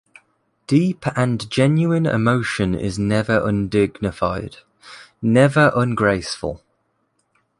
Deep and genuine emotion is never undignified, never ungraceful.